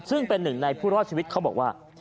ซึ่งเป็นหนึ่งในผู้รอดชีวิตเขาบอกว่า